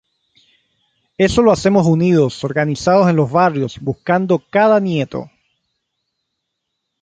Eso lo hacemos unidos, organizados en los barrios, buscando cada nieto.